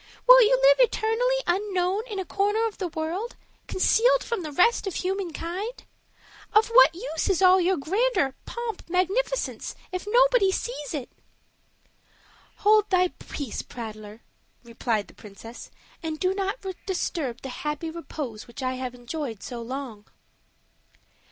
Will you live eternally unknown in a corner of the world, concealed from the rest of human kind? Of what use is all your grandeur, pomp, magnificence, if nobody sees it?" "Hold thy peace, prattler," replied the princess, "and do not disturb that happy repose which I have enjoyed so long."